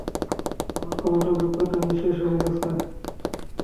আমার ক্ষমতা, যোগ্যতা নিঃশেষ হয়ে গেছে।